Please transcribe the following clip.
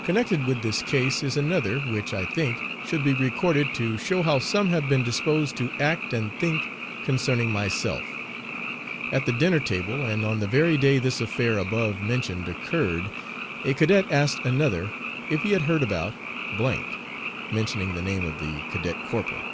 Connected with this case is another, which, I think, should be recorded, to show how some have been disposed to act and think concerning myself. At the dinner table, and on the very day this affair above mentioned occurred, a cadet asked another if he had heard about , mentioning the name of the cadet corporal.